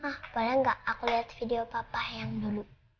mah boleh gak aku liat video papa yang dulu